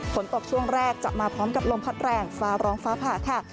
ฝนตกช่วงแรกจะมาพร้อมกับลมพัดแรงฟ้าร้องฟ้าผ่าค่ะ